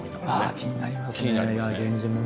気になりますね。